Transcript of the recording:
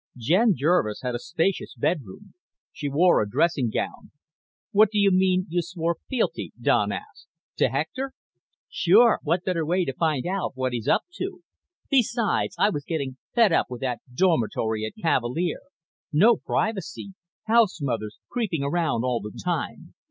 Jen Jervis had a spacious bedroom. She wore a dressing gown. "What do you mean, you swore fealty?" Don asked. "To Hector?" "Sure. What better way to find out what he's up to? Besides, I was getting fed up with that dormitory at Cavalier. No privacy. House mothers creeping around all the time.